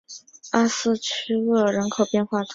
阿斯屈厄人口变化图示